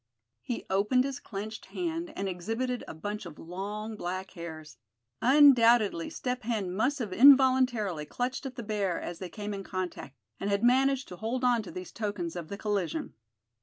He opened his clenched hand, and exhibited a bunch of long black hairs. Undoubtedly Step Hen must have involuntarily clutched at the bear as they came in contact, and had managed to hold on to these tokens of the collision.